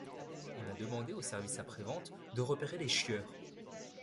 On a demandé au service après-vente de repérer les chieurs.